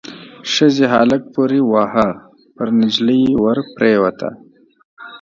ښځې هلک پوري واهه، پر نجلۍ ور پريوته.